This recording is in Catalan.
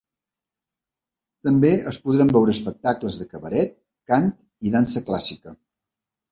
També es podran veure espectacles de cabaret, cant i dansa clàssica.